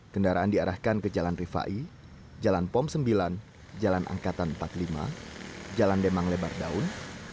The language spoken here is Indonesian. kendaraan diarahkan ke jalan rifai jalan pom sembilan jalan angkatan empat puluh lima jalan demang lebar daun